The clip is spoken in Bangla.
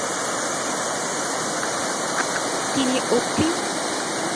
তিনি অগ্রগামী শিল্পপতি এবং প্রাকৃতিক দার্শনিকদের বিখ্যাত আলোচনা সংঘ লুনার সোসাইটির অন্যতম প্রতিষ্ঠাতা সদস্য।